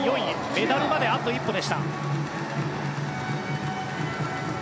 メダルまであと一歩でした。